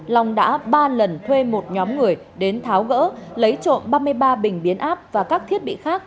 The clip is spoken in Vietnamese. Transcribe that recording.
long đã ba lần thuê một nhóm người đến tháo gỡ lấy trộm ba mươi ba bình biến áp và các thiết bị khác